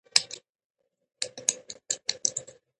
د حقیقت لاره تل ستونزمنه وي.